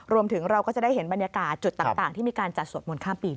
รวมถึงเราก็จะได้เห็นบรรยากาศจุดต่างที่มีการจัดสวดมนต์ข้ามปี